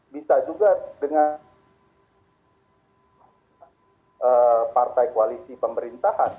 bisa juga dengan partai koalisi pemerintahan